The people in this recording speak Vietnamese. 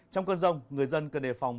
trong cơn rông người dân cần đề phòng